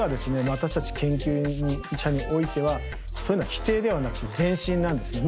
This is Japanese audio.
私たち研究者においてはそういうのは否定ではなくて前進なんですね。